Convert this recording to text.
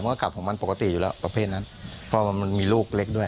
ก็กลับของมันปกติอยู่แล้วประเภทนั้นเพราะว่ามันมีลูกเล็กด้วย